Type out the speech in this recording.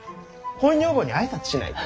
恋女房に挨拶しないと。